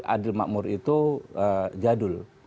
adil makmur itu jadul